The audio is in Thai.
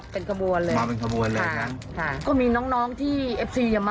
เป็นดอกไม้แบบ